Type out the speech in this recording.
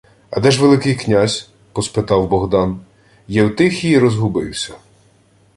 — А де ж Великий князь? — поспитав Богдан. Єутихій розгубився.